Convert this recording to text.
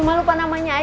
asal rumah jamren juga